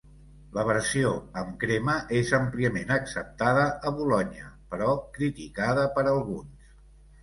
La versió amb crema és àmpliament acceptada a Bolonya, però criticada per alguns.